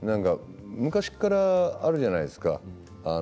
昔からあるじゃないですか。